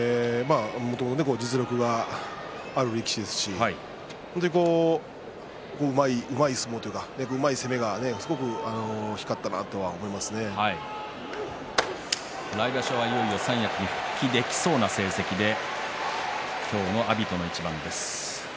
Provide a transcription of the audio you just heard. もともと実力のある力士ですからうまい相撲というかうまい攻めがすごく光ったなと来場所はいよいよ三役に復帰できそうな成績で今日の阿炎との一番です。